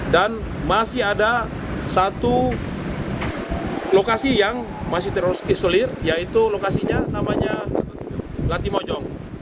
dan masih ada satu lokasi yang masih terisolir yaitu lokasinya namanya latimojong